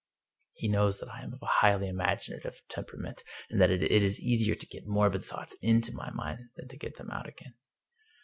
He knows that I am of a highly imaginative tempera ment, and that it is easier to get morbid thoughts into my mind than to get them out again.